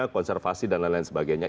konservasi dan lain lain sebagainya